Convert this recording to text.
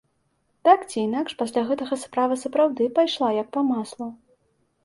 Так ці інакш, пасля гэтага справа сапраўды пайшла як па маслу.